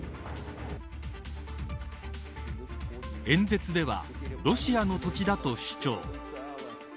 演説ではロシアの土地だと主張。